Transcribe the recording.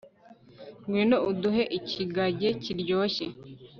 ngwino uduhe ikigage kiryoshye